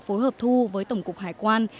phối hợp thu với tổng cục hải quan